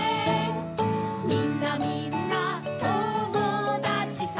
「みんなみんな友だちさ」